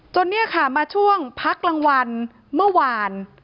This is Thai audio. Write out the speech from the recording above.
เนี่ยค่ะมาช่วงพักรางวัลเมื่อวาน